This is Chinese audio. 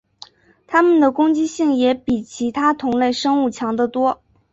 它们的攻击性也比其他同类生物强得多。